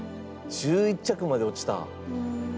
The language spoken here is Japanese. １１着まで落ちた。